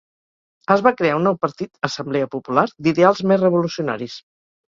Es va crear un nou partit, Assemblea Popular, d'ideals més revolucionaris.